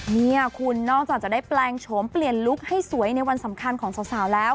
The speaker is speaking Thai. นี่คุณนอกจากจะได้แปลงโฉมเปลี่ยนลุคให้สวยในวันสำคัญของสาวแล้ว